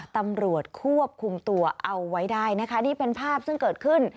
ตำรวจควบคุมตัวเอาไว้ได้นะคะนี่เป็นภาพซึ่งเกิดขึ้น